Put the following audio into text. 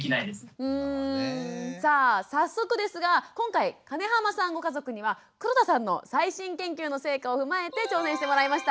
さあ早速ですが今回金濱さんご家族には黒田さんの最新研究の成果を踏まえて挑戦してもらいました。